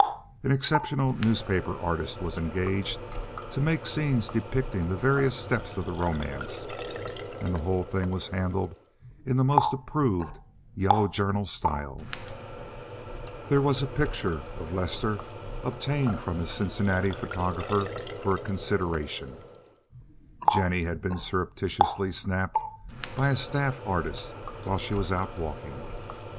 An exceptional newspaper artist was engaged to make scenes depicting the various steps of the romance and the whole thing was handled in the most approved yellow journal style. There was a picture of Lester obtained from his Cincinnati photographer for a consideration; Jennie had been surreptitiously "snapped" by a staff artist while she was out walking.